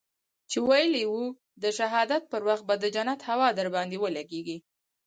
چې ويلي يې وو د شهادت پر وخت به د جنت هوا درباندې ولګېږي.